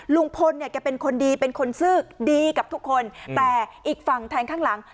ลุงพลเนี่ยแกเป็นคนดีเป็นคนซื่อดีกับทุกคนแต่อีกฝั่งแทงข้างหลัง